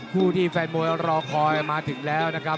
คู่ที่แฟนมวยรอคอยมาถึงแล้วนะครับ